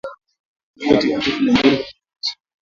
udongo tifutifu ni mzuri kwa viazi lishe